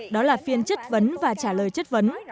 đó là phiên chất vấn và trả lời chất vấn